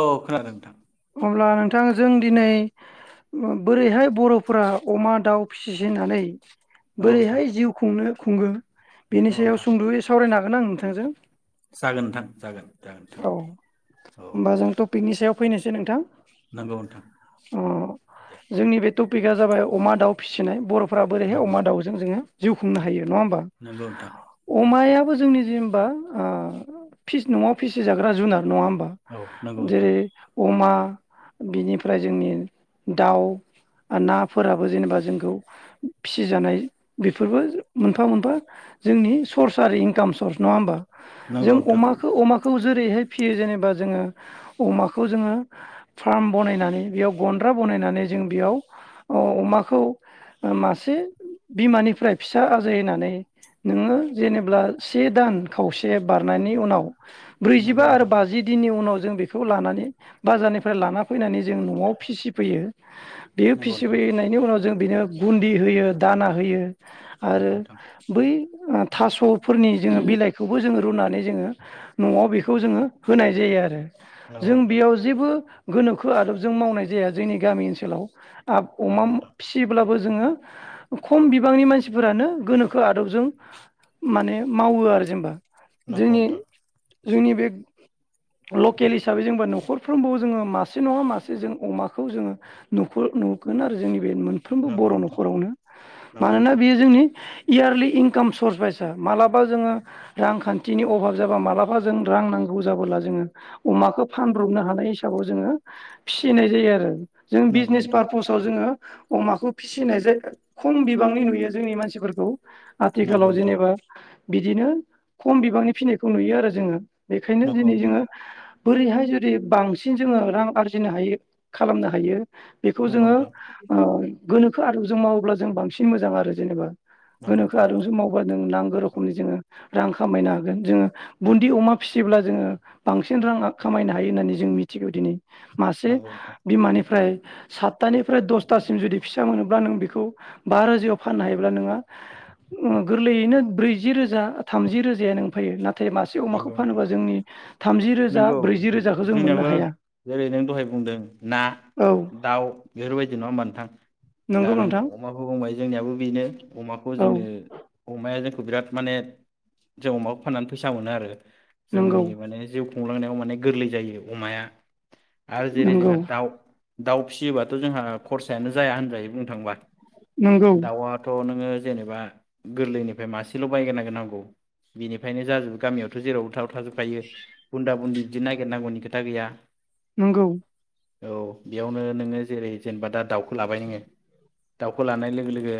औ खोनादों नोंथां। अब्ला नोंथां जों दिनै बोरैहाय बरफोरा अमा दाउ फिसिनानै औ नोंथां बोरैहाय जिउ खुंनो खुंगो औ बेनि सायाव सुंदयै सावरायनो हा गोन आं नोंथांजों जागोन नोंथां जागोन जागोन नोंथां। औ औ फैनो सै नोंथां अ जोंनि बे टपिकआ जाबाय अमा दाउ फिसिनाय बर फोरा बोरैहाय अमा जागोन दाउजों जोङो जिउ खुंनो हायो। नङा होमबा जागोन नोंथां अमायाबो जोंनि जि बा आ फिस नङा फिसि जाग्रा जुनार नङा होम औ नोंगौ ओनथां अमा बिनिफ्राय जोंनि दाउ नाफोराबो जेनेबा जोंखौ फिसिजानाय बेफोरबो मोनफा मोनफा जोंनि सर्स आरो इनकाम सर्स नङा होमबा? जों नंगौ अमाखो-अमाखौ। जेरैहाय फियो जेनेबा जोङो अमा खौ जोङो फार्म बनायनानै बेयाव गन्द्रा बनायनानै जों बेयाव अमाखौ मासे बिमानिफ्राय फिसा आजायनानै नोङो जेनेब्ला से दान खावसे बारनायनि उनाव। ब्रैजिबा नंगौ नोंथां औ नंगौ आरो नोंथां बाजि दिननि उनाव। जों बेखौ लानानै। बाजारनिफ्राय लाना फैनानै जों न'आव फिसिफैयो। बेयो नंगौ नोंथां फिसिनायनि उनाव जों। बिनो गुन्दि होयो दाना होयो। नंगौ आरो नोंथां बै। आ थास'फोरनि जोङो बिलाइखौबो जोङो रुनानै जोङो न'आव बेखौ जोङो होनाय जायो आरो। नोंगौ जों ओनथां। बेयाव जेबो गोनोखो आदबजों मावनाय जाया जोंनि गामि ओनसोलाव। आब नंगौ अमाम नोंथां फियोब्लाबो। जोङो खम बिबांनि मानसिफोरानो गोनोखो आदबजों माने मावो आरो जेनेबा। नोंगौ जोंनि ओनथां। जोंनि बे लकेल हिसाबै जोंबा न खरफ्रोमबो जोङो मासे नङा मासे जों अमाखौ जोङो नुखो नुगोन आरो जोंनि। बे मोनफ्रोमबो नंगौ बर' नोंथां न'खरावनो नंगौ मानोना नोंथां बेयो जोंनि। इयारलि इनकाम सर्स बायसा मालाबा जोङो रांखान्थिनि अभाब जाबा मालाबा जों रां नांगौ जाबोला जोङो अमाखौ फान ब्रबनो हानाय हिसाबाव जोङो फिसिनाय जायो आरो। जों नंगौ बिजनेस नोंथां फार्पसाव जोङो। अमाखौ फिसिनाय जायगा खम बिबांनि नुयो जोंनि मानसिफोरखौ। नंगौ आथिखालाव नोंथां जेनेबा। बिदिनो खम बिबांनि फिनायखौ नुयो आरो जोङो। बेखायनो नंगौ दिनै जोङो। बोरै हाय जु दि बांसिन जोङो रां आरजिनो हायो खालामनो हायो। बेखौ जोङो नोंथां ओ। गोनोखो आदबजों मावोब्ला जों बांसिन मोजां आरो जेनेबा। नंगौ नोंथां नंगौ नोंथां नंगौ नोंथां नंगौ गोनोखो नोंथां आदबजों मावबा जों नांगौ औ रोखोमनि जोङो रां औ खामायनो हागोन जोङो। बुन्दि अमा फिसियोब्ला जोङो बांसिन रां आ खामायनो हा हायो होननानै जों मिथिगौ दिनै मासे नंगौ नोंथां बिमानिफ्राय सातथानिफ्राय दसथासिम जुदि फिसा मोनोब्ला नों बेखौ बा रोजायाव फाननो हायोब्ला नोंहा ओ गोरलैयैनो ब्रैजि रोजा थामजि रोजाया नो फैयो नाथाय नाथाय मासे अमाखौ नंगौ नोंथां फानोबा जोंनि थामजि रोजा नंगौ ब्रैजि नोंथां रोजा जोंनियाबो जेरै नों दहाय बुंदों ना औ दाउ बेफोरबायदि न मोनथां। दा नंगौ जों नोंथां अमाखौ बुंबाय। जोंनियाबो बेनो अमाखौ औ जोङो अमाया जोंनि बिराद माने जों अमाखौ फाननानै फैसा मोनो आरो। नंगौ जोंनि माने जिउ खुंलांनायाव माने गोरलै जायो अमाया। आरो जेरै जोंहा नंगौ दाउ दाउ फिसियोबाथ' जोंहा खरसायानो जाया होनजायो बुंनो थाङोब्ला। नंगौ दाउआथ' नों। जेनेबा गोरलैनिफ्राय मासेल' बायग्रोनांगौ नांगौ बेनिफायनो। जाजोब गामियावथ' जेराव थाव थाजोब। थायो बुन्दा बुन्दि बिदि नागिरनांगौनि खोथा गैया नोंगौ। औ बेयावनो नोङो जेरै जेनेबा दा दाउखौ लाबाय नोङो दाउखौ लानाय लोगो लोगो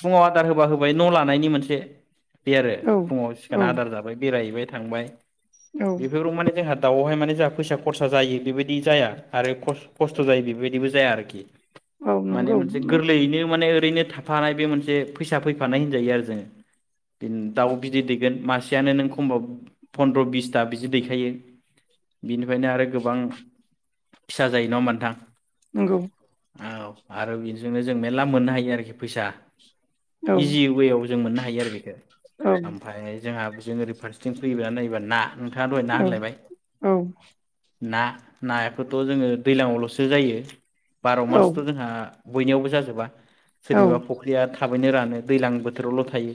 फुङाव आदार होबा होबाय न' लानायनि मोनसे। बे आरो औ फुङाव औ सिखारना आदार बेरायहैबाय थांबाय। औ बेफोराव माने जोंहाथ। दाउवहाय माने जोंहा फैसा खरसा जायो बेबायदि जाया आरो ख खस्थ' जायो बेबायदिबो जाया आरोखि औ माने नंगौ मोनसे गोरलैयैनो माने ओरैनो थाफानाय बे मोनसे फैसा फैफानाय होनजायो आरो जों दाउ बिदै दैगोन म फिसायानो नों खमबाबो फनन्द्र' बिसथा बिदि दैखायो बिनिफ्रायनो आरो गोबां फिसा जायो नङा होमबा नोंथां। नंगौ। औ आरो बेदिजोंनो जों मेर्ला मोननो हायो आरोखि फैसा औ इजि वेयाव जों मोननो हायो आरो बेखौ औ ओमफ्राय जोंहा बे जों ओरै फारसेथि फैना नायोबा ना नोंथाङा दहाय ना औ होनलायबाय। औ ना नायाखौथ' जोङो दैज्लाङावल'सो जायो। बार' औ मासथ' जोंहा बयनियावबो जाजोबा। सोरनिबा औ फख्रिया था थाबैनो रानो दैज्लां बोथोरावल' थायो।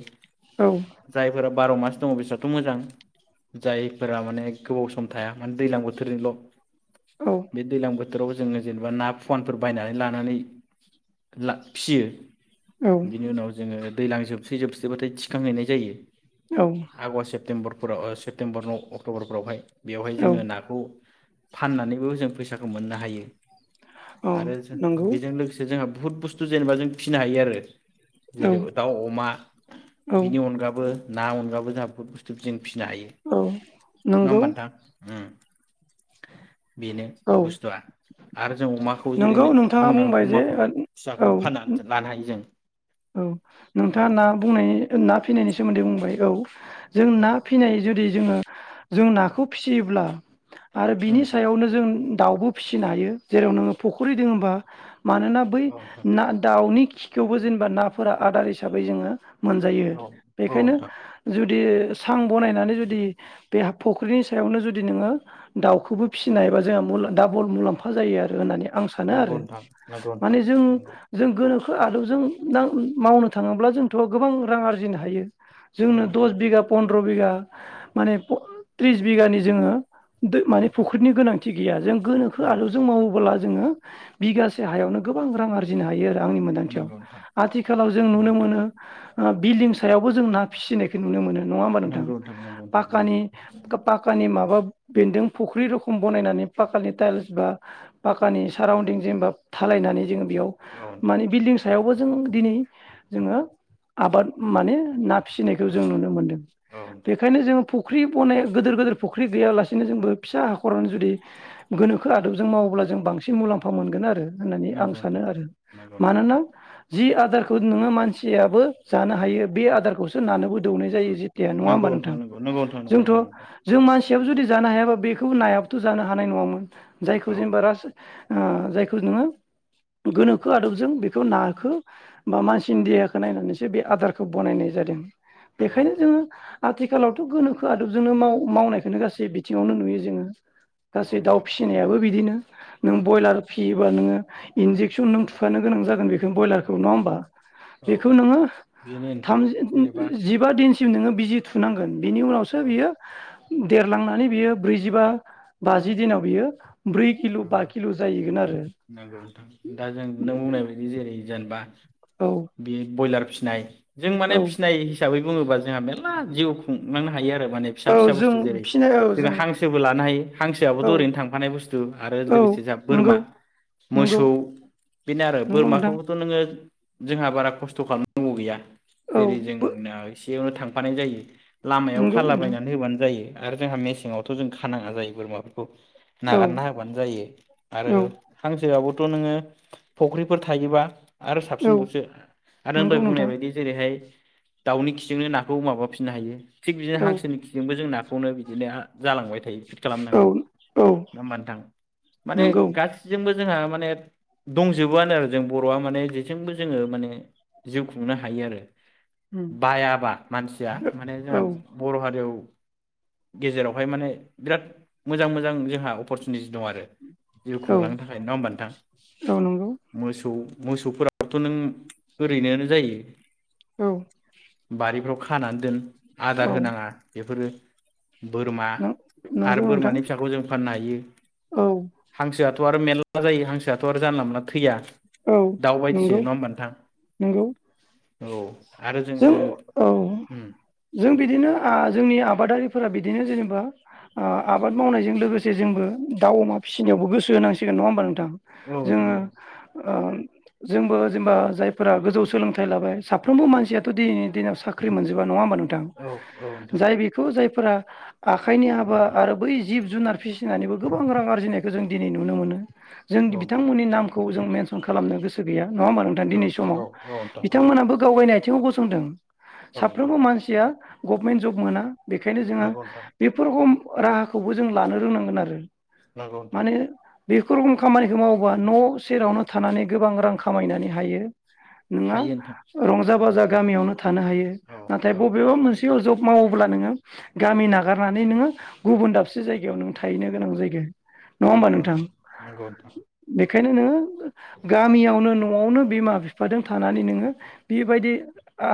जायफोर बार' मास दङ बेसोरथ' मोजां जायफोरा माने गोबाव सम थाया माने दैज्लां बोथोरनिल' बे दैलां बो थोराव जोङो जेनेबा ना फुवानफोर बायनानै लानानै ला फियो। औ बिनि उनाव जोङो दैज्लां जोबसै जोबसै बाथाय थिखांहैनाय जायो। आगष्ट, सेप्तम्बर फोराव ओ सेप्तम्बर नाव अक्ट'बरफोरावहाय बेवहाय औ जोङो नाखौ फाननानैबो जों फैसाखौ मोननो हायो। आरो जों नंगौ बेजों लोगोसे जोङो बुहुत बुस्थु जेनेबा जों फिनो हायो आरो औ जेरै दाउ, अमा औ बिनि औ अनगाबो ना बहुद बुस्थु फिन फिसिनो हायो नङा नंगौ होमबा नोंथां ओं। बेनो औ बुस्थुआ आरो जों अमाखौ जेरै नंगौ नो नोंथाङा बुंनो बुंबाय जे अमाखौ फिसाखौ औ फाननानै लानो हायो जों। औ औ नोंथाङा ना बुंनायनि ना फिनायनि सोमोन्दै बुंबाय औ। जों ना फिनाय जुदि जोङो [inaudible] जों औ नाखौ फियोब्ला आरो उम बिनि सायावनो जों दाउबो फिसिनो हायो जेराव नोङो फख्रि दोङबा मानोना बै औ नोंथां ना दाउनि खि खौवबो जों नाफोरा आदार हिसाबै जोङो मोनजायो औ औ बेखायनो नोंथां जुद जुदि सां बनायनानै जुदि, बे फुख्रिनि सायावनो जुदि नोङो दाउखौबो फिसिनो हायोबा जोंहा मु डाबल मुलाम्फा जायो आरो दानिया। आं सानो नंगौ आरो नोंथां नंगौ नोंथां माने जों नंगौ जों गोनो आलुजों ना मावनो थाङोब्ला जोंथ' गोबां रां आरजिनो हायो। औ जोंनो नोंथां दस बिघा फन्द्र सथ्र' बिगा माने फ त्रिस बिगानि जोङो। दो औ माने नोंथां फुख्रिनि गोनांथि। थि गैया जों गोनोखो औ आदबजों मावोब्ला। जोङो बिगासे हायावनो गोबां रां आरजिनो हायो आरो। आंनि मोनदांथियाव। नंगौ नोंथां आथिखालाव जों नंगौ नुनो मोनो। आ बिल्डिं सायावबो जों ना फिसिनायखौ नुनो मोनो। नङा होमबा नोंथां? नंगौ नोंथां नंगौ नोंथां पाकानि औ पाकानि माबा बेन्दों फुख्रि रोखम बानायनानै पााखानि टाइल्स बा, पाकाानि साराउन्दिं जेनेबा थालायनानै जोङो बेयाव औ नोंथां मानि बिल्डं सायावबो जों दिनै जोङो आबाद माने ना फिसिनायखौ जों नुनो मोनदों। औ नोंथां बेखायनो जोङो फुख्रि बनाय गोदोर गोदोर फुख्रि गैयालासेनो जोंबो फिसा हाखरानो जुदि, गोनोखो आदबजों मावोब्ला जों बांसिन मुलाम्फा मोनगोन आरो। होननानै आं नंगौ सानो। नोंथां आरो नंगौ मानोना? जि आदारखौ नोङो मानसियाबो जानो हायो बे आदारखौसो नानोबो दौनाय जायो। जि दे नङा होमबा नोंथां नंगौ नंगौ नोंथां नंगौ जोंथ'। नोंथां नंगौ जों मानसि फिसायाव जुदि जानो हायाबा बेखौ नायाबोथ' जानो हानाय नङामोन। जायखौ औ जेनेबा राज ओ जायखौ नोङो गोनोखो आदबजों बेखौ नाखो। बा मानसिनि देहाखौ नायनानैसो बे आदारखौ बनायनाय जादों। नंगौ बेखायनो नोंथां जोङो। आथिखालावथ' गोनोखो आदबजोंनो माव मावनायखोनो गासै बि थिङावनो नुयो औ जोङो औ गासै दाउ नोंथां फिसिनायाबो बिद नों औ ब्रयलार फियो बा नोङो इनजेकसन नों थुफानो गोनां जागोन बेखौनो ब्रइलार औ नङा होनबा औ बेखौ नोङो। बेनो नोंथां थामजि ओ जेनेबा जिबा दिनसो सिम नोङो बिजि थुनांगोन बिनि उनावसो औ बियो देरलांनानै बियो ब्रैजिबा बाजि दिनाव बियो ब्रै किल' बा नंगौ किल' जाहैगोन आरो नोंगौ नोंथां दा जों नों बुंनाय बायदि जेरै जेनबा औ बे बयलार फिनाय जों माने औ फिनाय हिसाबै बुंङोबाज जोंहा मेर्ला जिउ खुंलांनो हायो आरो माने फिसा औ फिसा जों बुस्थु जेरै फिनाय औ जोङो जों हांसोबो लानो हायो हांसोआबो औ ओरैनो थांफानाय बुस्थ थु आरो औ लोगोसे जोहा बोरमा नंगौ नंगौ मोसौ बेनो आरो नंगौ नोंथां बोरमाखौबोथ' नोङो जोंहा बारा खस्थ' खालामनांगौ गैया औ जेरै जोंनास बेयावनो थांफानाय जायो। लामायाव नंगौ नोंथां थालाबायनानै होबानो जायो। आरो जोंहा मेसेंआवथ' जों खानाङा जायो बोरमाफोरखौ। नागा औ ना होबानो जायो आरो औ हांसोआबथ थ' नोङो फख्रिफोर थायोबा आरो औ साबसिनबावसो आरो [unintelligible] दहाय नंगौ बुंनाय नोंथां बायदि जेरैहाय दाउनि खिजोंनो नाखौ माबाफिनो हायो। थिग बिदि औ हांसोनि खिजोंबो जोंना खौनो बिदिनो हा जालांबाय थायो। [unintelligible] पिट खालामनो औ हायो। औ [unintelligible] मबा नोंथां माने नंगौ गासिजोंबो जोंहा माने दंजोबोआनो आरो जों बर'आ माने जेजोंबो जोङो माने जिउ खुंनो हायो आरो औ बायाबा मानसिया माने जोंहा औ बर' हारियाव गेजेरावहाय माने बिराद मोजां मोजां जोंहा अपरसुनिटि दं आरो जिउ खुंलांनो औ थाखाय नङा होमबा नोंथां? नंगौ मोसौ मोसौफोराबोथ' नों ओरैनोनो जायो औ बारिफ्राव खानानै दोन आदार औ होनाङा बेफोरो बोरमा आरो नंगौ नोंथां बोरमानि फिसाखौ जों फाननो हायो औ हांसो आथ' थ' आरो मेरला जायो हां थ' आरो जानला मोनला थैया औ दाउ बायदिसो नंगौ नङा होमबा नोंथां नंगौ औ आरो जोङो जों औ ओम जों बिदिनो आ जोंनि आबादारिफोरा बिदिनो जेनेबा ओ आबाद मावनायजों लोगोसे जोंबो दाउ अमा फिसिनायावबो गोसो होनांसिगोन नङा होमबा नोंथां औ नोंथां जोङो औ ओ जोंबो जेनेबा जायफोरा गोजौ सोलोंथाइ लाबाय साफ्रोमबो मानसियाथ' दिनैनि दिनाव साख्रि मोनजोबा नङा होमबा नों थां औ औ नोंथां जाय बिखौ जाय फोरा आखाइनि हाबा आरो बै जिब जुनार फिसिनानैबो गोबां रां आरजिनायखौ जों दिनै नुनो मोनो जों औ नोंथां बिथांमोननि नामखौ खौ जों मेनसन खालामनो गोसो गैया नङा होमबा नोंथां औ दिनै समाव औ औ नोंथां औ बिथांमोनाबो गाव बायनाय आथिङाव गसंदों औ नोंथां साफ्रोमबो मानसिया गभमेन्ट जब मोना बेखायनो जोङा नंगौ नोंथां बेफोर हम राहाखौबो जों लानो रोंनांगोन आरो नोंगो नोंथां माने बेफोर खामानिखौ मावोबा न' सेरावनो थानानै गोबां रां खामायनानै हायो नोङा हायो नोंथां रंजा बाजा हायो गामियावनो थानो हायो औ नाथाय औ बबेबा मोनस पियुर जब मावोब्ला नोङो गामि नागारनानै नोङो गुबुन दाबसे जायगायाव नों थाहैनो गोनां जायगो नोंगौ नोथां नोंग [unintelligible] बेखायनो नोङो गामियावनो न' न'आवनो बिमा बिफादों थानानै नोङो बेबायदि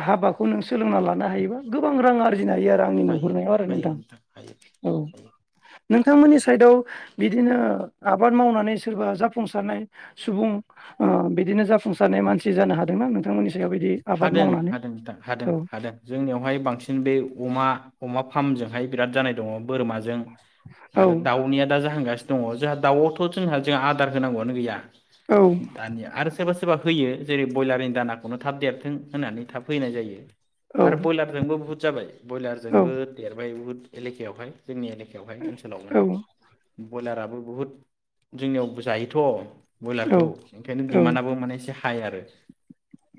हाबाखौ नों सोलोंना लानो हायोबा गोबां रांआर जिनो हायो आरो आंनि हायो नुहुरनायाव आरो हायो नोंथां हायो औ हायो नोंथांमोननि हायो साइदआव बिदिनो आबाद मावनानै सोरबा जाफुंसारनाय सुबुं ओ बिदिनो जाफुंसारनाय मानसि जानो हादोंनां नोंथांमोननि सायाव बिदि आबाद हादों मावनानै हादों नोंथां हादों औ हादों जोंनियावहाय बांसिन बे अमा अमा फार्मजोंहाय बिराद जानाय दङ बोरमाजों औ आरो दाउनिया दा जाहांगासिनो दङ जोंहा दाउआवथ' जोंहा जोङा आदार होनांगौ आनो गैया। औ दानिया आरो सोरबा सोरबा होयो जेरै बयलारनि दानाखौनो थाब देर थों होनानै थाब फैनाय जायो। औ आरो बयलारजोंबो बहुत जाबाय औ बयलारजोंबो देरबाय बुहुद एलेकायावहाय जोंनि एलेकायावहाय ओनसोलाव माने औ बयलारा बो बुहुद जोंनियावबो जायोथ'। औ बयलारखौ ओंखायनो औ दिमानआबो माने एसे हा य आरो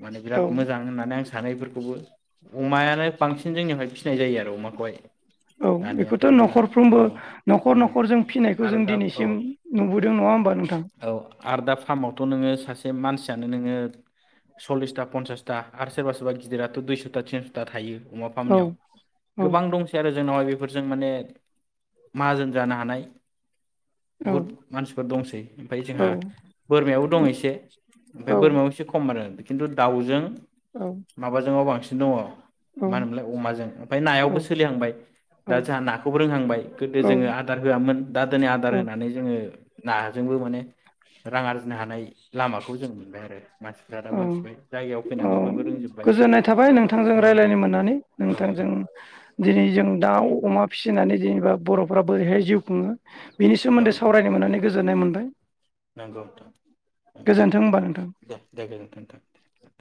मा औ मोजां होननानै आं सा थानायफोरखौबो अमायानो बांसिन जोंनियावहाय फिसिनाय जायो आरो अमाखौहाय। औ दानियाथ' बेखौथ' दा औ न'खरफ्रोमबो न'खर उम न'खर जों फिसिनायखौ आरो जों दा औ दिनैसिम नुबोदों नङा होमबा नोंथां। आरोदा फार्मावथ' नोङो सासे मानसियानो नोङो सल्लिसथा पनसास सथा आरो सोरबा सोरबा गिदिराथ' दुइसथा तिनसथा थायो। अमा औ फामनायाव औ गोबां दंसै आरो जोंनावहाय बेफोरजों माने माहाजोन जानो हानाय औ बुहुद मानसिफोर दंसै ओमफाय औ जोंहा बोरमायावबो दं एसे औ ओमफ्राय बोरमायाव एसे खम आरो खिन्थु दाउजों औ माबाजोङाव बांसि न'वाव औ मा होनोमोनलाय अमाजों ओमफाय नायावबो सोलिहांबाय औ दा जोंहा नाखौबो रोंहांबाय गोदो औ जोङो आदार होआमोन दा दोनै आदार औ होनानै जोङो नाजोंबो माने रां आरजिनो हानाय लामाखौ जों मोनबाय आरो मानसिफ्रा दा मोनथिबाय जायगायाव औ फैनानै बयबो रोंजोब्बाय गोजोननाय थाबाय औ नोंथांजों नोंथां रायलायनो मोननानै औ नोंथांजों नोंथां औ दिनै जों दाउ, अमा फिसिनानै जेने बर'फ्रा बोरैहाय जिउ खुङो। बिनि सोमोन्दै नोंथां सावरायनो मोननानै गोजोननाय मोन [unintelligible] नंगौ नोंथांनंगौ नोंथां देह देह गोजोनथों नोंथां।